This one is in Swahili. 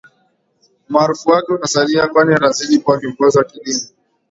umaarufu wake utasalia kwani atazidi kuwa kiongozi wa kidini katika taifa hilo